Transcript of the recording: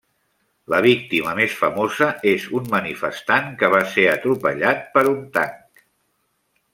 La víctima més famosa és un manifestant que va ser atropellat per un tanc.